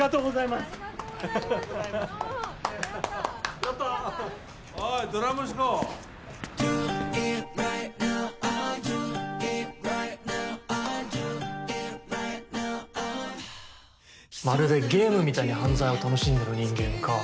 まるでゲームみたいに犯罪を楽しんでる人間か